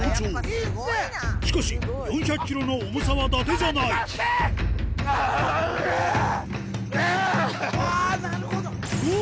しかし４００ｋｇの重さはだてじゃないおら！